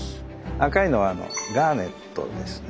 赤いのはガーネットですね。